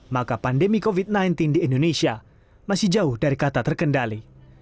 maka pandemi covid sembilan belas di indonesia masih jauh dari kata terkendali